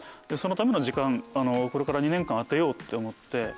でそのための時間これから２年間充てようって思って。